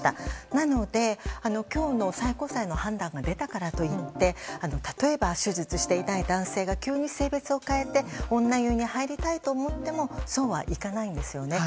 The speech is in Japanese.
なので、今日の最高裁の判断が出たからといって例えば、手術していない男性が急に性別を変えて女湯に入りたいと思ってもそうはいかないんですよね。